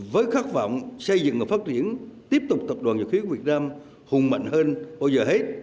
với khát vọng xây dựng và phát triển tiếp tục tập đoàn dầu khí của việt nam hùng mạnh hơn bao giờ hết